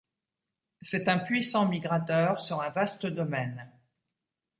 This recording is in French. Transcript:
C'est un puissant migrateur sur un vaste domaine.